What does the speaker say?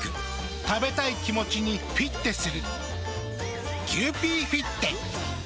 食べたい気持ちにフィッテする。